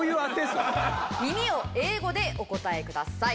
「耳」を英語でお答えください。